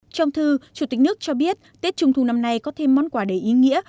trong thư chủ tịch nước cho biết tết trung thu năm nay có thêm món quà đầy ý nghĩa